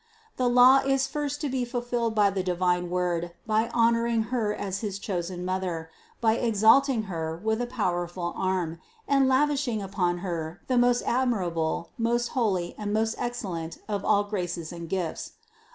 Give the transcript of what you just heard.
The law is first to be fulfilled by the divine Word by honoring Her as his chosen Mother, by exalting Her with a powerful arm, and lavishing upon Her the most admirable, most holy and most ex cellent of all graces and gifts.